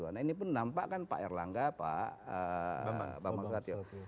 nah ini pun nampak kan pak erlangga pak bambang susatyo